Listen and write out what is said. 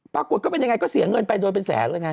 ปรากฏก็เป็นยังไงก็เสียเงินไปโดยเป็นแสนเลยไง